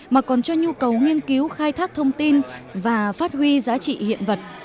mà còn cho nhu cầu nghiên cứu khai thác thông tin và phát huy giá trị hiện vật